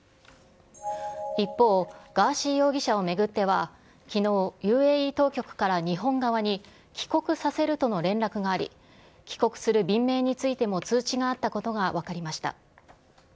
一方、ガーシー容疑者を巡ってはきのう、ＵＡＥ当局から日本側に、帰国させるとの連絡があり、帰国する便名についても通知があったことが分かりました。